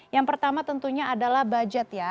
yang pertama tentunya adalah budget ya